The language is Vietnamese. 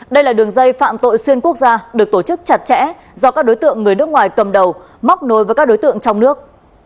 đây là đường dây phạm tội xuyên quốc gia được tổ chức chặt chẽ do các đối tượng người nước ngoài cầm đầu móc nối với các đối tượng trong nước